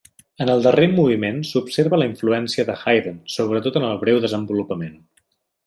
En el darrer moviment s'observa la influència de Haydn, sobretot en el breu desenvolupament.